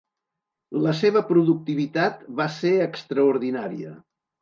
La seva productivitat va ser extraordinària.